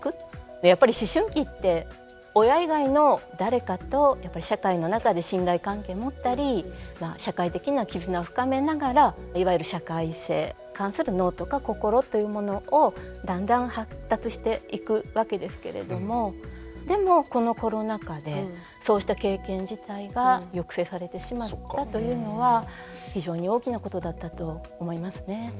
やっぱり思春期って親以外の誰かと社会の中で信頼関係持ったり社会的な絆を深めながらいわゆる社会性に関する脳とか心というものをだんだん発達していくわけですけれどもでもこのコロナ禍でそうした経験自体が抑制されてしまったというのは非常に大きなことだったと思いますね。